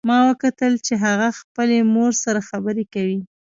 ما وکتل چې هغه خپلې مور سره خبرې کوي